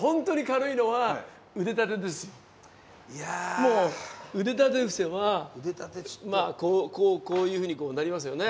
もう腕立て伏せはこういうふうになりますよね。